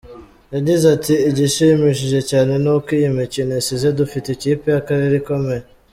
Yagize ati “Igishimishije cyane ni uko iyi mikino isize dufite ikipe y’akarere ikomeye.